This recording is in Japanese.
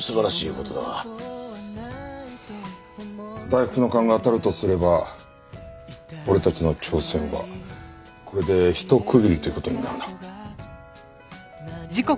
大福の勘が当たるとすれば俺たちの挑戦はこれでひと区切りという事になるな。